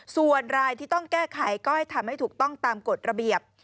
ส่วนรายที่ต้องแก้ไขก็ให้ทำให้ถูกต้องตามกฎระเบียบ